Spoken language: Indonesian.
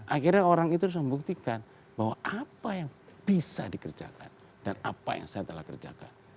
akhirnya orang itu harus membuktikan bahwa apa yang bisa dikerjakan dan apa yang saya telah kerjakan